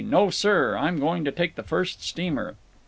No, sir! I'm going to take the first steamer!"